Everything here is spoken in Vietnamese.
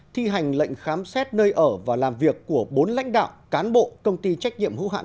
thi hành lệnh khám xét nơi ở và làm việc của bốn lãnh đạo cán bộ công ty trách nhiệm hữu hạn